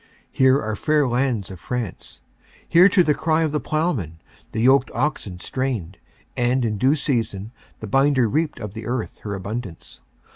Here are fair lands of France. Here to the cry of the plowman the yoked oxen strained and in due season the binder reaped of the earth her abundance.